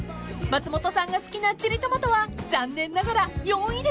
［松本さんが好きなチリトマトは残念ながら４位でした］